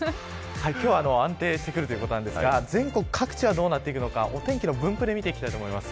今日は安定してくるということなんですが全国各地はどうなっていくのかお天気の分布で見ていきたいと思います。